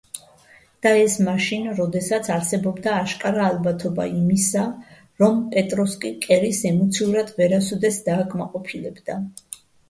და ეს მაშინ, როდესაც არსებობდა აშკარა ალბათობა იმისა, რომ პეტროვსკი კერის ემოციურად ვერასოდეს დააკმაყოფილებდა.